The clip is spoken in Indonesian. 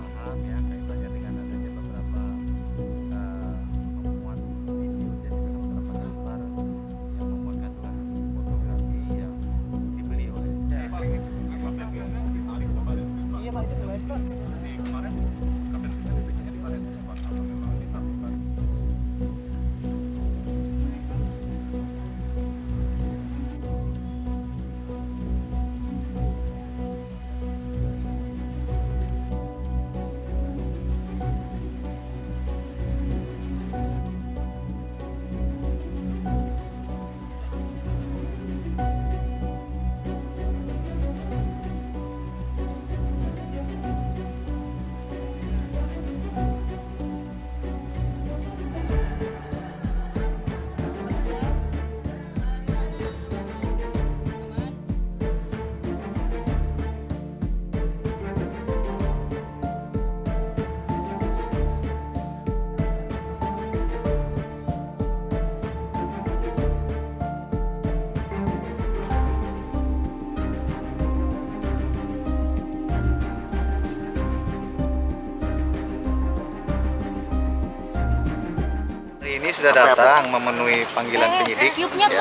hai ini sudah datang memenuhi panggilan penyidik